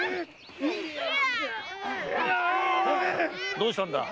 どうしたんだ？